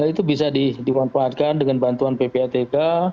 itu bisa dimanfaatkan dengan bantuan ppatk